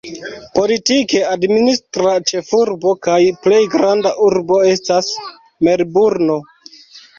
Politike administra ĉefurbo kaj plej granda urbo estas Melburno.